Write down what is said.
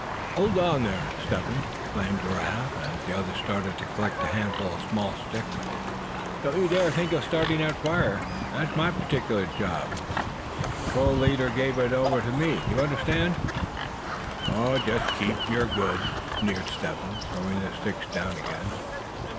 "Hold on there, Step Hen," exclaimed Giraffe, as the other started to collect a handful of small sticks; "don't you dare think of starting that fire. That's my particular job; the patrol leader gave it over to me, you understand." "Just to keep you good," sneered Step Hen, throwing the sticks down again.